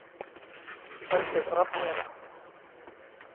ใบเสร็จรับเงิน